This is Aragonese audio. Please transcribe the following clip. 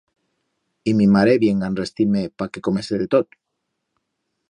Y mi mare vienga a enrestir-me pa que comese de tot.